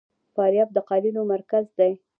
فاریاب د قالینو مرکز دی